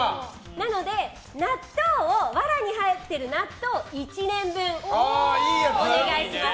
なのでわらに入ってる納豆１年分お願いします。